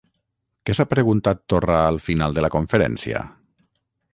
Què s'ha preguntat Torra al final de la conferència?